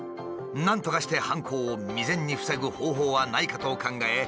なんとかして犯行を未然に防ぐ方法はないかと考え